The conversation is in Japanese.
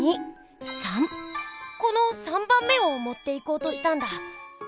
この３ばんめをもっていこうとしたんだ。